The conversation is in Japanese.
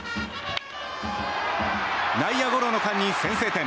内野ゴロの間に先制点。